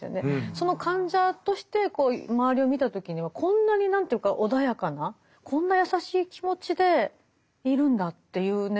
その患者として周りを見た時にはこんなに何ていうか穏やかなこんな優しい気持ちでいるんだっていうね